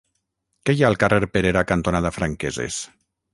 Què hi ha al carrer Perera cantonada Franqueses?